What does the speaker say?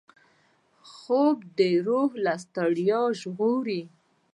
خوب د روح له ستړیا ژغوري